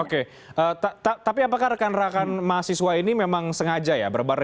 oke tapi apakah rekan rekan mahasiswa ini memang sengaja ya